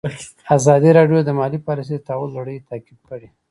ازادي راډیو د مالي پالیسي د تحول لړۍ تعقیب کړې.